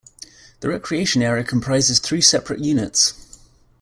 The recreation area comprises three separate units.